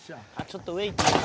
ちょっと上。